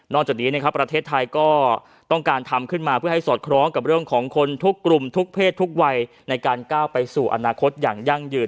จากนี้นะครับประเทศไทยก็ต้องการทำขึ้นมาเพื่อให้สอดคล้องกับเรื่องของคนทุกกลุ่มทุกเพศทุกวัยในการก้าวไปสู่อนาคตอย่างยั่งยืน